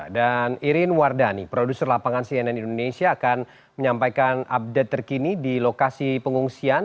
dan irin wardani produser lapangan cnn indonesia akan menyampaikan update terkini di lokasi pengungsian